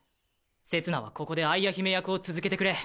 せつなはここで愛矢姫役を続けてくれ。